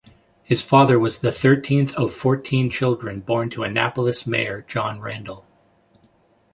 His father was the thirteenth of fourteen children born to Annapolis mayor John Randall.